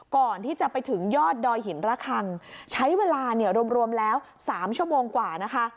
ก่อนที่จะไปถึงยอดดอยหินระคังใช้เวลาเนี่ยรวมแล้ว๓ชั่วโมงกว่านะคะ